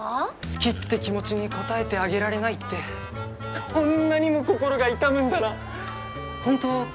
好きって気持ちに応えてあげられないってこんなにも心が痛むんだな本当